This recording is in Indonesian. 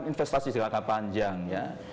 investasi jangka panjang ya